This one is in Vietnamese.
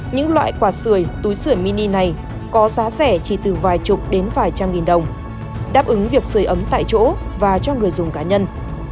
những loại quả sửa túi sửa mini này có giá rẻ chỉ từ vài chục đến vài trăm nghìn đồng đáp ứng việc sửa ấm tại chỗ và cho người dùng cá nhân